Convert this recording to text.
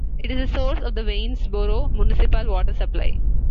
It is the source of the Waynesboro municipal water supply.